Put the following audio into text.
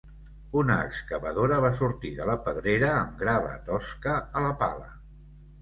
Una excavadora va sortir de la pedrera amb grava tosca a la pala.